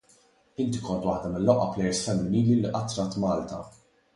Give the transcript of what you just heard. Inti kont waħda mill-aqwa plejers femminili li qatt rat Malta.